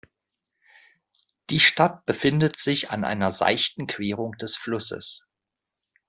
Die Stadt befindet sich an einer seichten Querung des Flusses.